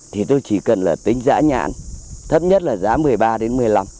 thì tôi chỉ cần là tính giá nhãn thấp nhất là giá một mươi ba đến một mươi năm